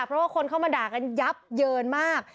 เพราะว่าคนเข้ามาด่ากันยับเยินมาก